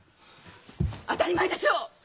当たり前でしょ！